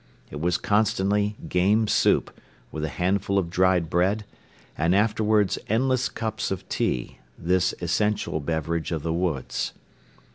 It was constantly game soup with a handful of dried bread and afterwards endless cups of tea, this essential beverage of the woods.